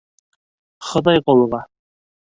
Хоҙайғолова.